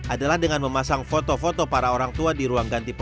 adalah dengan memasang foto foto para orang tua di ruang ganti presiden